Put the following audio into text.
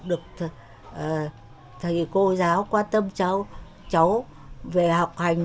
được thầy cô giáo quan tâm cháu cháu về học hành